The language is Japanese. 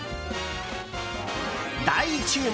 大注目！